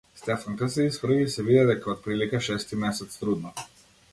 Стефанка се исправи и се виде дека е отприлика шести месец трудна.